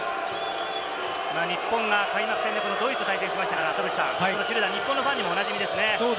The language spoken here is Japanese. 日本が開幕戦でドイツと対戦しましたから、シュルーダー、日本のファンにもおなじみですね。